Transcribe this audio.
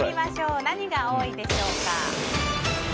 何が多いでしょうか。